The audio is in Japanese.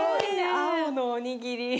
青のおにぎり。